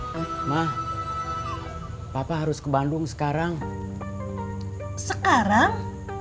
hai mah papa harus ke bandung sekarang sekarang